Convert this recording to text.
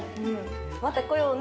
また来ようね。